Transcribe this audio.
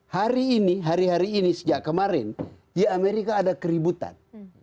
hari ini hari hari ini sejak kemarin di amerika ada keributan